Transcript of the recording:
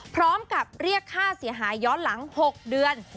พร้อมกับเรียกค่าเสียหายย้อนหลัง๖เดือน